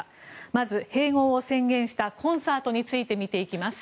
まず併合を宣言したコンサートについて見ていきます。